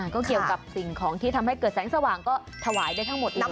ก็เกี่ยวกับสิ่งของที่ทำให้เกิดแสงสว่างก็ถวายได้ทั้งหมดแล้ว